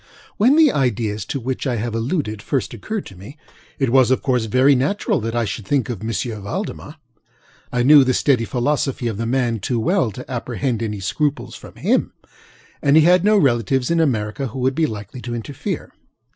When the ideas to which I have alluded first occurred to me, it was of course very natural that I should think of M. Valdemar. I knew the steady philosophy of the man too well to apprehend any scruples from him; and he had no relatives in America who would be likely to interfere.